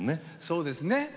そうですね。